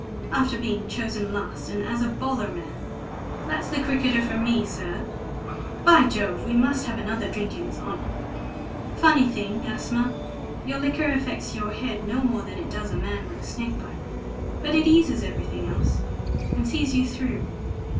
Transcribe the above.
"After being chosen last, and as a bowler man! That's the cricketer for me, sir; by Jove, we must have another drink in his honor! Funny thing, asthma; your liquor affects your head no more than it does a man with a snake bite; but it eases everything else, and sees you through.